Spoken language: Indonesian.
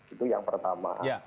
itu yang pertama